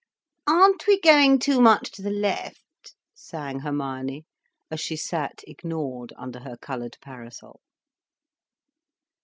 "Aren't we going too much to the left?" sang Hermione, as she sat ignored under her coloured parasol.